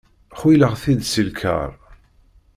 Xuyleɣ-t-id si lkar.